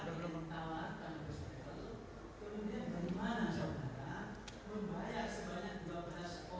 tidak tahu tujuan yang pernah memposting itu